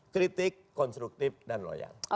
kritik konstruktif dan loyal